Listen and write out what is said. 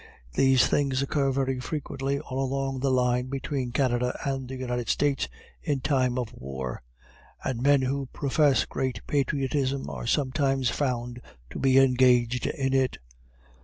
These things occur very frequently all along the line between Canada and the United States in time of war; and men who profess great patriotism are sometimes found to be engaged in it.